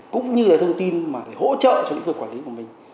cũng như là thông tin mà hỗ trợ cho kinh vực quản lý của mình